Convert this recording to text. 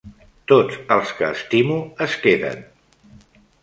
Tots els que estimo, es queden.